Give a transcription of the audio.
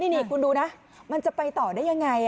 นี่คุณดูนะมันจะไปต่อได้ยังไง